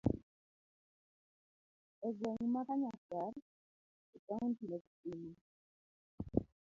Egweng' ma kanyakwar e kaunti ma kisumo.